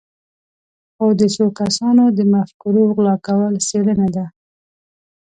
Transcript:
خو د څو کسانو د مفکورو غلا کول څېړنه ده.